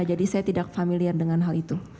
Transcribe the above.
jadi saya tidak familiar dengan hal itu